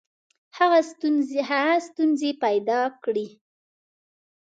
هغه ستونزي پیدا کړې.